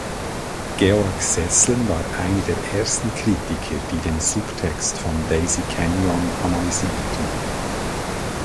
Georg Seeßlen war einer der ersten Kritiker, die den Subtext von "Daisy Kenyon" analysierten.